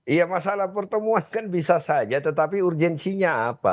iya masalah pertemuan kan bisa saja tetapi urgensinya apa